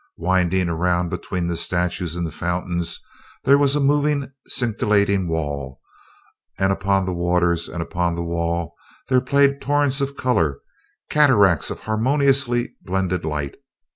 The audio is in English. Winding around between the statues and the fountains there was a moving, scintillating wall, and upon the waters and upon the wall there played torrents of color, cataracts of harmoniously blended light.